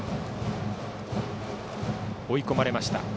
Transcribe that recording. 追い込まれました